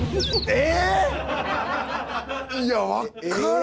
え？